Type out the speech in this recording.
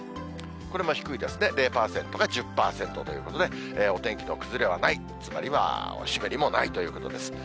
これも低いですね、０％か１０％ということで、お天気の崩れはない、つまりはお湿りもないということです。